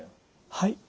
はい。